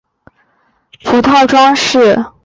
周围有麦穗和葡萄装饰。